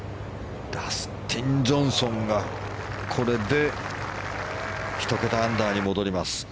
ダスティン・ジョンソンはこれで１桁アンダーに戻ります。